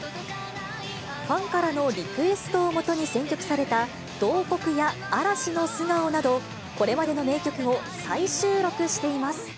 ファンからのリクエストを基に選曲された慟哭や嵐の素顔など、これまでの名曲を再集録しています。